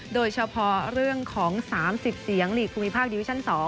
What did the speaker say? โดยเฉพาะเรื่องของ๓๐เสียงหลีกภูมิภาคดิวิชั่น๒